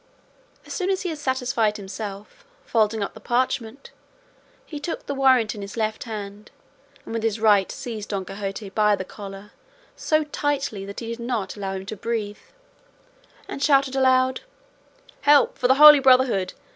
As soon as he had satisfied himself, folding up the parchment, he took the warrant in his left hand and with his right seized Don Quixote by the collar so tightly that he did not allow him to breathe, and shouted aloud, "Help for the Holy Brotherhood!